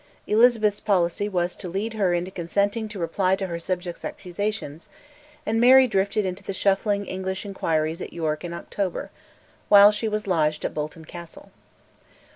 Elizabeth's policy was to lead her into consenting to reply to her subjects' accusations, and Mary drifted into the shuffling English inquiries at York in October, while she was lodged at Bolton Castle.